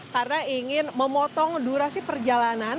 karena ingin memotong durasi perjalanan